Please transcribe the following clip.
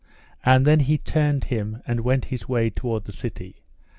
And then he turned him and went his way toward the city.